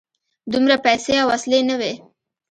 دومره پیسې او وسلې نه وې.